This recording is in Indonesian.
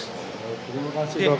terima kasih dok